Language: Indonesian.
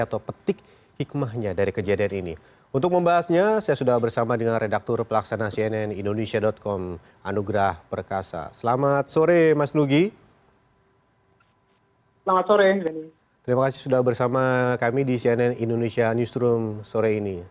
terima kasih sudah bersama kami di cnn indonesia newsroom sore ini